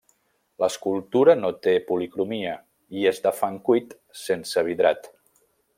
L'escultura no té policromia i és de fang cuit sense vidrat.